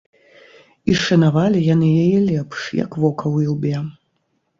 І шанавалі яны яе лепш, як вока ў ілбе.